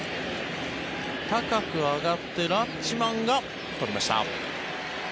高く上がってラッチマンがとりました。